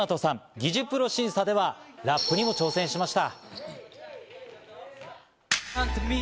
擬似プロ審査ではラップにも挑戦しました。